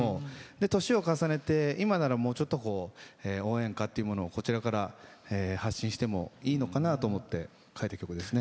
年を重ねて、今ならもうちょっと応援歌っていうものをこちらから発信してもいいのかなと思って書いた曲ですね。